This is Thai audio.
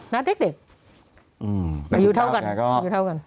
น่าเด็กอยู่เท่ากัน